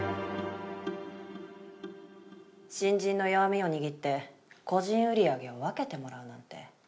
新人の弱みを握って個人売り上げを分けてもらうなんて。